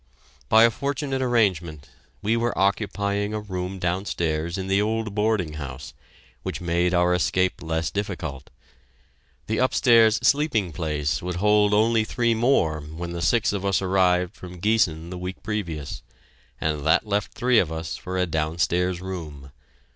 By a fortunate arrangement, we were occupying a room downstairs in the old boarding house, which made our escape less difficult. The upstairs sleeping place would hold only three more when the six of us arrived from Giessen the week previous, and that left three of us for a downstairs room.